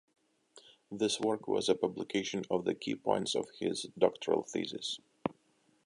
This work was a publication of the key points of his doctoral thesis.